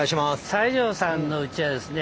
西城さんのうちはですね